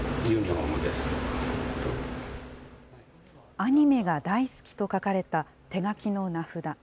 アニメがだいすきと書かれた手書きの名札。